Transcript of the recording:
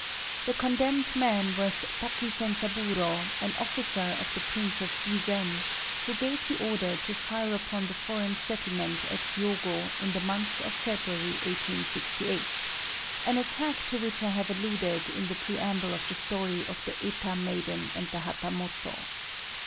The condemned man was Taki Zenzaburô, an officer of the Prince of Bizen, who gave the order to fire upon the foreign settlement at Hiogo in the month of February 1868, an attack to which I have alluded in the preamble to the story of the Eta Maiden and the Hatamoto.